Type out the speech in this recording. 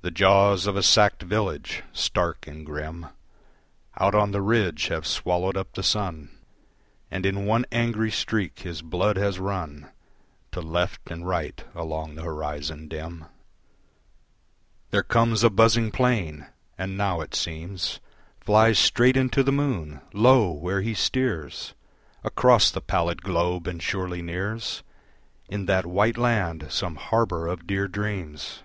The jaws of a sacked village, stark and grim; Out on the ridge have swallowed up the sun, And in one angry streak his blood has run To left and right along the horizon dim. There comes a buzzing plane: and now, it seems Flies straight into the moon. Lo! where he steers Across the pallid globe and surely nears In that white land some harbour of dear dreams!